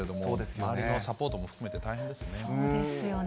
周りのサポートも含めて大変ですよね。